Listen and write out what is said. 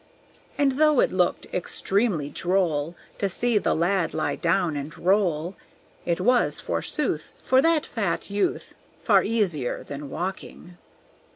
And though it looked extremely droll To see the lad lie down and roll, It was, forsooth, For that fat youth Far easier than walking.